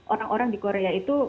orang orang di korea itu